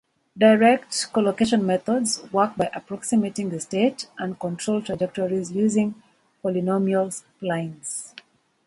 Direct collocation methods work by approximating the state and control trajectories using polynomial splines.